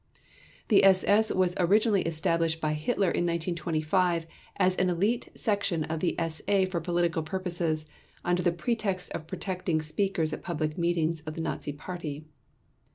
The SS was originally established by Hitler in 1925 as an elite section of the SA for political purposes under the pretext of protecting speakers at public meetings of the Nazi Party.